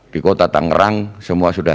di kota tangerang semua sudah